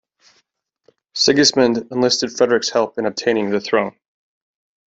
Sigismund enlisted Frederick's help in obtaining the throne.